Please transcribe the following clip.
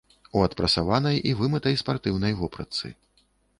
У адпрасаванай і вымытай спартыўнай вопратцы.